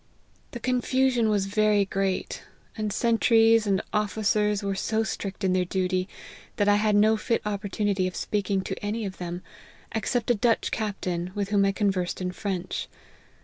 The confusion was very great : and sentries and officers were so strict in their duty, that I had no fit opportunity of speak ing to any of them, except a Dutch captain, with whom I conversed in French.